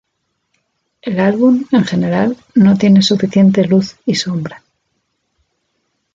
El álbum, en general, no tiene suficiente luz y sombra".